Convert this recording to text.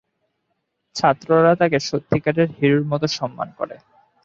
ছাত্ররা তাকে সত্যিকারের হিরোর মতো সম্মান করে।